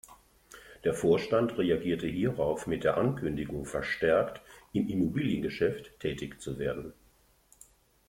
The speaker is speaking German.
Der Vorstand reagierte hierauf mit der Ankündigung, verstärkt im Immobiliengeschäft tätig zu werden.